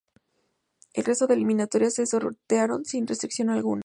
El resto de eliminatorias se sortearon sin restricción alguna.